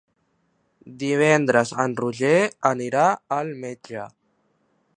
Divendres en Roger anirà al metge.